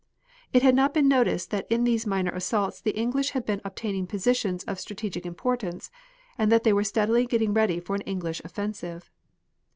It had not been noticed that in these minor assaults the English had been obtaining positions of strategic importance, and that they were steadily getting ready for an English offensive.